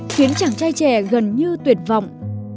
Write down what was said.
khiến chàng trai trẻ gần như tuyệt vọng